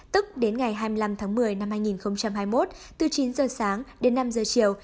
tức đến ngày hai mươi năm tháng một mươi năm hai nghìn hai mươi một từ chín giờ sáng đến năm giờ chiều